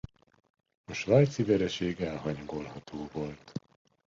A svájci vereség elhanyagolható volt.